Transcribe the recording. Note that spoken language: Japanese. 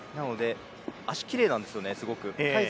脚、きれいなんですよね、すごく。